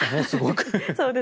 すごく。